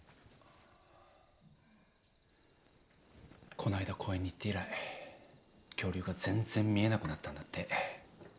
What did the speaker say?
こないだ公園に行って以来恐竜が全然見えなくなったんだって。